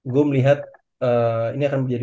gua melihat ini akan menjadi